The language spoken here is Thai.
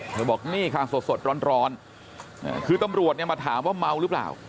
บอกนี่ค่ะสดร้อนคือตำรวจเนี่ยมาถามว่าเมาหรือเปล่า